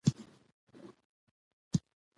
د شاعر خیالونه ژور پیغامونه لري.